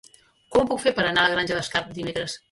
Com ho puc fer per anar a la Granja d'Escarp dimecres?